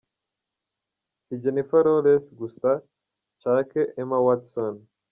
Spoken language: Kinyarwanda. Si Jennifer Lawrence gusa canke Emma Watson.